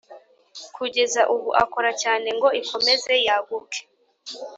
kugeza ubu akora cyane ngo ikomeze yaguke.